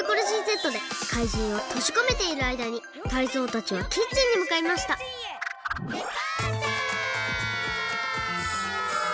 でかいじんをとじこめているあいだにタイゾウたちはキッチンにむかいましたデパーチャー！